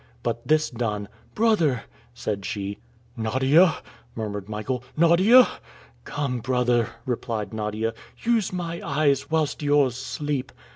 But this done: "Brother!" said she. "Nadia!" murmured Michael, "Nadia!" "Come, brother," replied Nadia, "use my eyes whilst yours sleep.